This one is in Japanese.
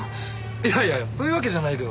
いやいやいやそういうわけじゃないけど。